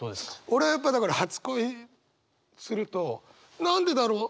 俺はやっぱだから初恋するとなんでだろう？